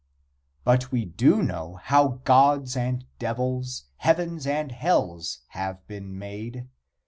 But we do know how gods and devils, heavens and hells, have been made.